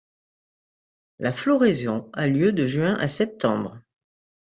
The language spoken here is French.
La floraison a lieu de juin à septembre.